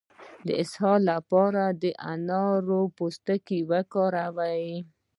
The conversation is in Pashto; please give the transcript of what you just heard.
د اسهال لپاره د انارو پوستکی وکاروئ